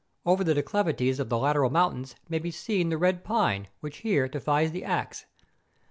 Over the de¬ clivities of the lateral mountains may be seen the red pine which here defies the axe.